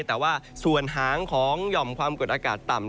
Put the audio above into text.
แต่ว่าส่วนหางของหย่อมความกดอากาศต่ำ